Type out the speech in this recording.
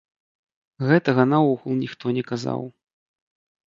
Гэтага наогул ніхто не казаў.